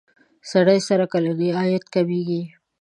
سړي سر کلنی عاید کمیږي.